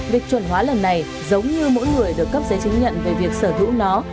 việc chuẩn hóa lần này giống như mỗi người được cấp giấy chứng nhận về việc sở hữu nó